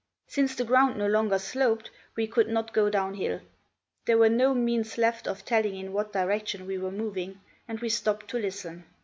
Since the ground no longer sloped, we could not go down hill; there were no means left of telling in what direction we were moving, and we stopped to listen.